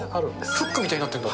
フックみたいになってんだ。